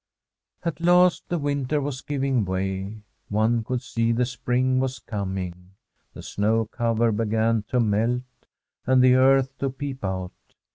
At last the winter was giving way. One could see the spring was coming. The snow cover be gan to melt, and the earth to peep out.